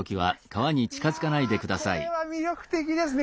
いやこれは魅力的ですね